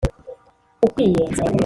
ukwiyenza